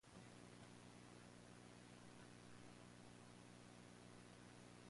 This publishing may represent Dickey's best work.